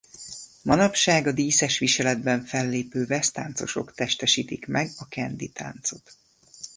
Manapság a díszes viseletben fellépő ves-táncosok testesítik meg a Kandy-táncot.